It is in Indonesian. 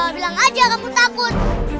bilang aja kamu takut